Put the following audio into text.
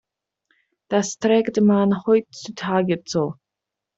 Das trägt man heutzutage so.